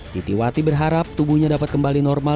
titiwati berharap tubuhnya dapat kembali normal